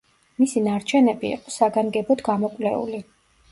მისი ნარჩენები იყო საგანგებოდ გამოკვლეული.